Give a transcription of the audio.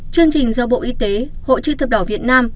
chương trình do bộ y tế hội chữ thập đỏ việt nam